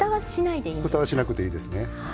ふたはしなくていいですね。